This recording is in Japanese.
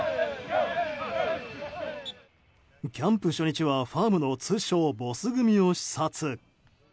キャンプ初日はファームの通称ボス組を視察。